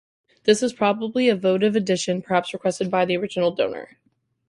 This was probably a votive addition, perhaps requested by the original donor.